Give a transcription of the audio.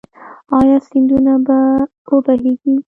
آیا سیندونه به و بهیږي؟